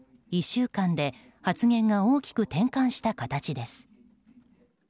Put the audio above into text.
１週間で発言が大きく転換した形です。